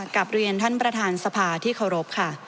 กลับเรียนท่านประธานสภาที่เคารพค่ะ